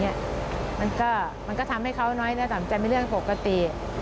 อย่างนี้มันก็ทำให้เขาน้อยแต่มีเรื่องปกติ